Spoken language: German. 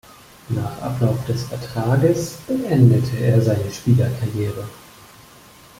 Nach Ablauf des Vertrages beendete er seine Spielerkarriere.